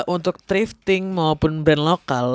untuk thrifting maupun brand lokal